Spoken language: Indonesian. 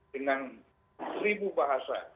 dengan satu bahasa